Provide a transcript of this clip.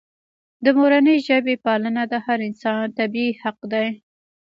د مورنۍ ژبې پالنه د هر انسان طبیعي حق دی.